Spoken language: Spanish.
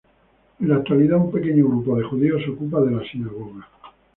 En la actualidad, un pequeño grupo de judíos se ocupa de la sinagoga.